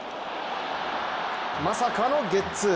まさかのゲッツー。